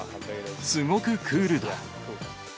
すごくクールだ。